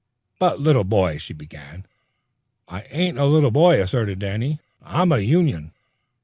"But, little boy " she began. "I ain't a little boy," asserted Danny. "I'm a union."